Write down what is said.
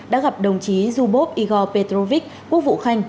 đã gặp đồng chí zubov igor petrovich quốc vụ khanh